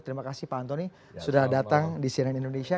terima kasih pak antoni sudah datang di cnn indonesia